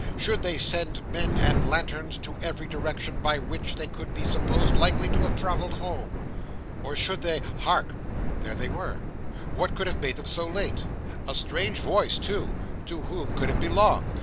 Should they send men and lanterns in every direction by which they could be supposed likely to have travelled home? or should they Hark! there they were. What could have made them so late? A strange voice, too! To whom could it belong?